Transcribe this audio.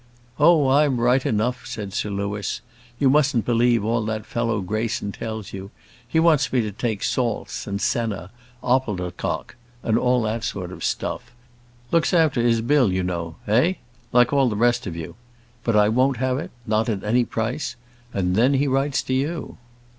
"Oh, I'm right enough," said Sir Louis. "You mustn't believe all that fellow Greyson tells you: he wants me to take salts and senna, opodeldoc, and all that sort of stuff; looks after his bill, you know eh? like all the rest of you. But I won't have it; not at any price; and then he writes to you."